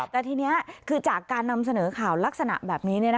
แต่ทีนี้คือจากการนำเสนอข่าวลักษณะแบบนี้